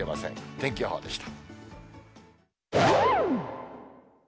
天気予報でした。